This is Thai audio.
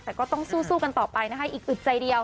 แต่ก็ต้องสู้กันต่อไปนะคะอีกอึดใจเดียว